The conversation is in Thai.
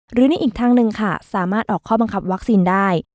หรือในอีกทางหนึ่งค่ะสามารถออกข้อบังคับวัคซีนได้